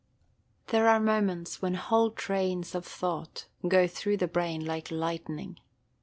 There are moments when whole trains of thought go through the brain like lightning.